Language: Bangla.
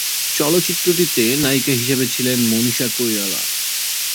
চলচ্চিত্রটিতে নায়িকা হিসেবে ছিলেন মনীষা কৈরালা।